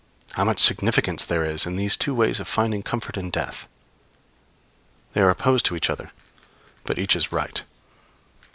How much significance there is in these two ways of finding comfort in death. They are opposed to each other, but each is right.